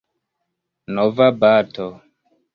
Nova bato.